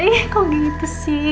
eh kok gitu sih